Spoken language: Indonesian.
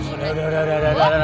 udah udah udah